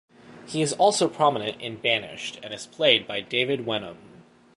He is also prominent in "Banished" and is played by David Wenham.